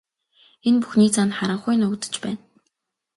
Энэ бүхний цаана харанхуй нуугдаж байна.